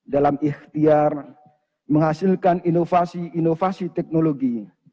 dalam ikhtiar menghasilkan inovasi inovasi teknologi